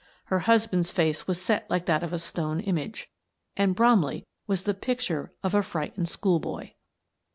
Her husband's face was set like that of a stone image. And Bromley was the picture of a fright ened schoolboy.